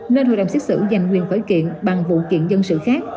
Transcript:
nên hội đồng xét xử giành quyền khởi kiện bằng vụ kiện dân sự khác